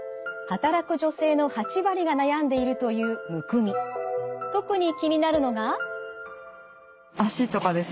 働く女性の８割が悩んでいるという特に気になるのが。